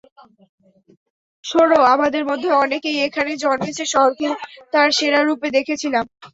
শোনো, আমাদের মধ্যে অনেকেই এখানে জন্মেছে, শহরকে তার সেরা রুপে দেখেছিলাম।